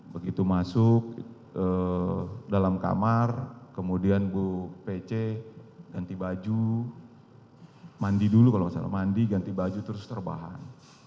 begitu masuk dalam kamar kemudian bu pece ganti baju mandi dulu kalau nggak salah mandi ganti baju terus terbahan